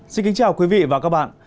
xin kính chào quý vị và các bạn